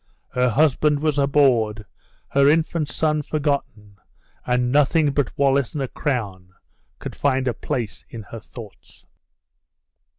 Her husband was abhorred, her infant son forgotten, and nothing but Wallace and a crown could find a place in her thoughts.